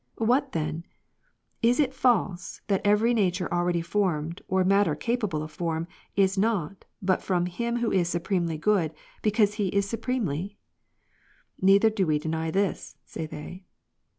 " What then ? Is it false, that every nature already formed, or matter capable of form, is not, but from Him Who is supremely good, because He is supremely?" " Neither do we deny this," say they.